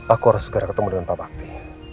aku harus segera ketemu dengan pak bakti